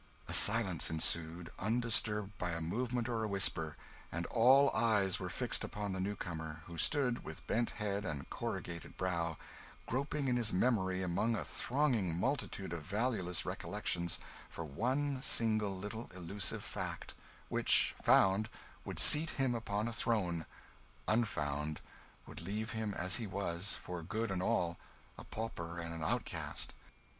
A silence ensued, undisturbed by a movement or a whisper, and all eyes were fixed upon the new comer, who stood, with bent head and corrugated brow, groping in his memory among a thronging multitude of valueless recollections for one single little elusive fact, which, found, would seat him upon a throne unfound, would leave him as he was, for good and all a pauper and an outcast.